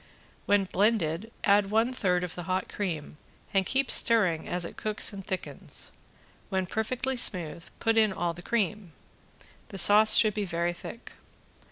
When blended add one third of the hot cream and keep stirring as it cooks and thickens. When perfectly smooth put in all the cream. The sauce should be very thick.